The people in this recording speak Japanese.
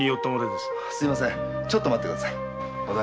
すみませんちょっと待ってください。